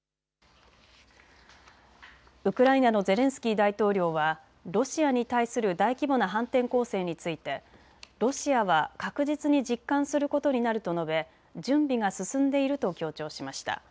ウクライナのゼレンスキー大統領はロシアに対する大規模な反転攻勢についてロシアは確実に実感することになると述べ、準備が進んでいると強調しました。